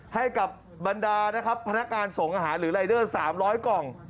ให้กับบรรดานะครับพนักงานส่งอาหารหรือรายเดอร์๓๐๐กล่อง